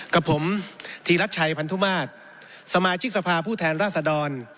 กับผมธีรัชชัยพันธุมาตรสมาชิกสภาผู้แทนราษดร